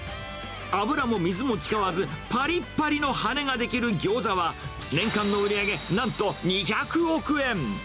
油も水も使わず、ぱりっぱりの羽ができるギョーザは、年間の売り上げなんと２００億円。